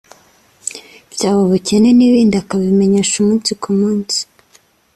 byaba ubukene n’ibindi akabimenyesha umunsi ku munsi